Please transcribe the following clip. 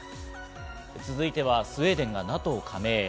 続いてはスウェーデンがＮＡＴＯ加盟へ。